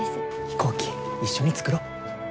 飛行機一緒に作ろ。